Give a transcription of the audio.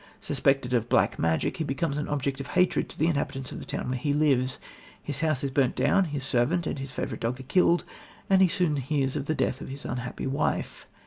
Suspected of black magic, he becomes an object of hatred to the inhabitants of the town where he lives. His house is burnt down, his servant and his favourite dog are killed, and he soon hears of the death of his unhappy wife.